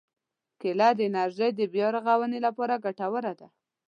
کېله د انرژي د بیا رغونې لپاره ګټوره ده.